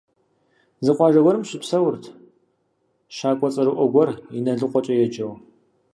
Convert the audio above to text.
Зы къуажэ гуэрым щыпсэурт щакӀуэ цӀэрыӀуэ гуэр ИналыкъуэкӀэ еджэу.